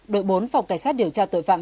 đội bốn phòng cảnh sát điều tra tội phạm